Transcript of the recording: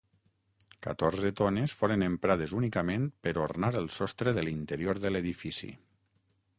Catorze tones foren emprades únicament per ornar el sostre de l'interior de l'edifici.